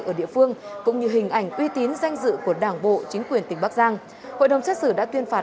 ở địa phương cũng như hình ảnh uy tín danh dự của đảng bộ chính quyền tỉnh bắc giang hội đồng xét xử đã tuyên phạt